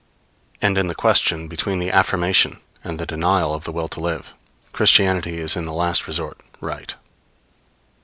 And in the question between the affirmation and the denial of the will to live, Christianity is in the last resort right.